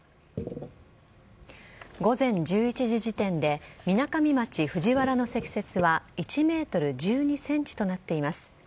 午前１１時時点で、みなかみ町藤原の積雪は１メートル１２センチとなっています。